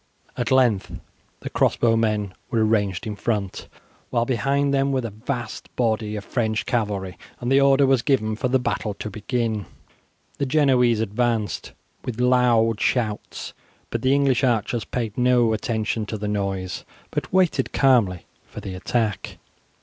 At length the crossbow men were arranged in front, while behind them were the vast body of French cavalry, and the order was given for the battle to begin. The Genoese advanced with loud shouts but the English archers paid no attention to the noise, but waited calmly for the attack.